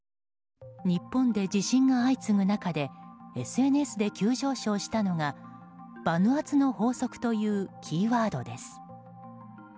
日本で地震が相次ぐ中でＳＮＳで急上昇したのがバヌアツの法則というキーワードです。